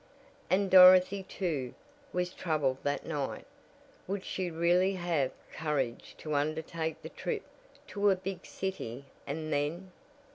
And Dorothy too, was troubled that night. Would she really have courage to undertake the trip to a big city and then